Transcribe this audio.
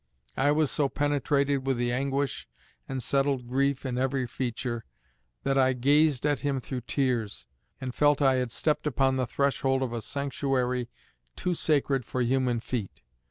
I was so penetrated with the anguish and settled grief in every feature, that I gazed at him through tears, and felt I had stepped upon the threshold of a sanctuary too sacred for human feet.